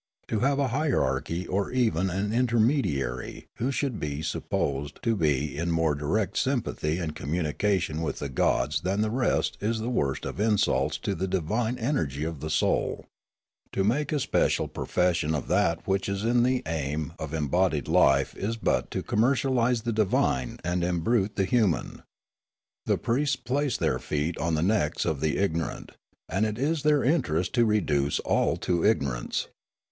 To have a hierarchy or even an intermediary who should be sup posed to be in more direct sympathy and communica tion with the gods than the rest is the worst of insults to the divine energy of the soul. To make a special profession of that which is the aim of embodied life is but to commercialise the divine and embrute the human. The priests place their feet on the necks of the ignor ant, and it is their interest to reduce all to ignorance.